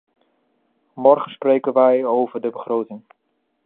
Morgen spreken wij over de begroting.